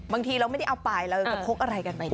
บางทีเราไม่ได้เอาไปเราจะพกอะไรกันไปได้